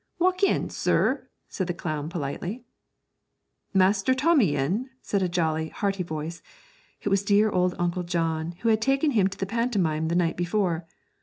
'Walk in, sir,' said the clown, politely. 'Master Tommy in?' said a jolly, hearty voice. It was dear old Uncle John, who had taken him to the pantomime the night before.